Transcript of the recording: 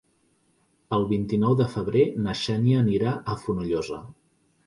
El vint-i-nou de febrer na Xènia anirà a Fonollosa.